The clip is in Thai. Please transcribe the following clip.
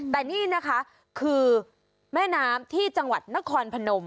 แต่นี่นะคะคือแม่น้ำที่จังหวัดนครพนม